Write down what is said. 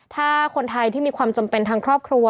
ถ้าคนไทยที่มีความจำเป็นทางครอบครัว